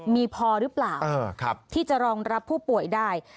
มีพอหรือเปล่าที่จะรองรับผู้ป่วยได้